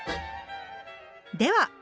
では